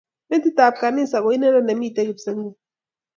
Metibab kanisa ko inendet ne mitei kipswenget